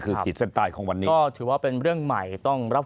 คือผิดเส้นตายของวันนี้ถือว่าเป็นเรื่องใหนก็เราต้องรับ